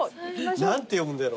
何て読むんだろう？え？